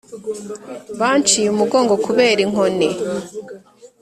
Banciye umugongo kubera inkoni